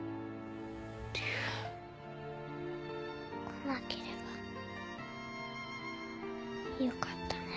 来なければよかったね